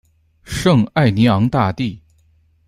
圣艾尼昂大地。